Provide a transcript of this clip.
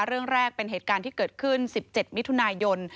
เรื่องแรกเป็นเหตุการณ์ที่เกิดขึ้น๑๗มิถุนายน